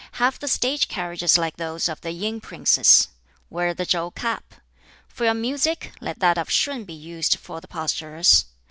Have the State carriages like those of the Yin princes. Wear the Chow cap. For your music let that of Shun be used for the posturers.